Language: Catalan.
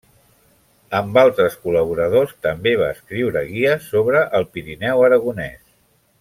Amb altres col·laboradors també va escriure guies sobre el Pirineu aragonès.